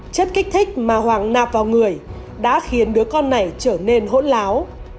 chất kích thích mà hoàng nạp vào người đã khiến đứa con này trở nên hỗn láo